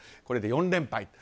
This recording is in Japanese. これで４連敗。